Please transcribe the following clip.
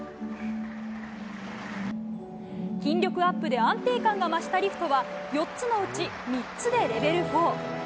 筋力アップで安定感が増したリフトは４つのうち３つでレベル４。